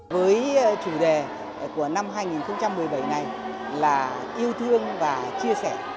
với chủ đề của năm hai nghìn một mươi bảy này là yêu thương và chia sẻ